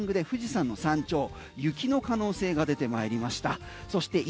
このタイミングで富士山の山頂雪の可能性が出てまいりました。